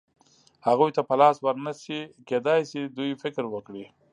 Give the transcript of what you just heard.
هغوی ته په لاس ور نه شي، کېدای شي دوی فکر وکړي.